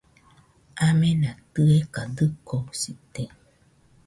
Amena tɨeka dɨkoɨsite